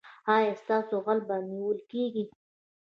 ایا ستاسو غل به نیول کیږي؟